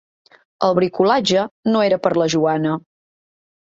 El bricolatge no era per a la Joana.